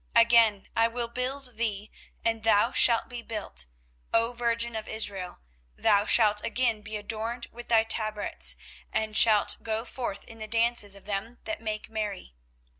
24:031:004 Again I will build thee, and thou shalt be built, O virgin of Israel: thou shalt again be adorned with thy tabrets, and shalt go forth in the dances of them that make merry.